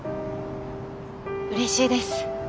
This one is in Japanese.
うれしいです。